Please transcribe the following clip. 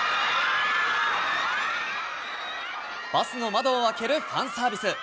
バスの窓を開けるファンサービス。